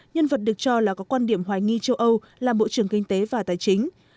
nhân vật được cho là có quan điểm hoài nghi châu âu làm bộ trưởng kinh tế và tài chính